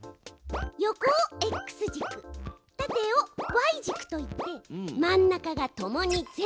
横をＸじく縦をＹじくといって真ん中がともに０。